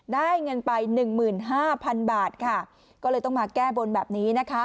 ได้เงินไปหนึ่งหมื่นห้าพันบาทค่ะก็เลยต้องมาแก้บนแบบนี้นะคะ